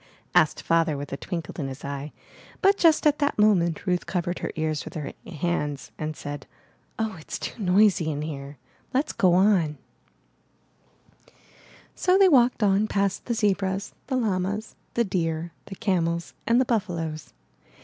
asked Father with a twinkle in his eye, but just at that moment Ruth covered her ears with her hands and said, ''Oh, it's too noisy here. Let's go on/' So they walked on past the zebras, the llamas, the deer, the camels, and the buffaloes.